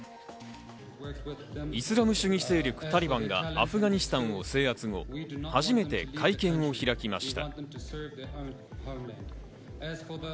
イスラム主義勢力・タリバンがアフガニスタンを制圧後、初めて会見を開きました。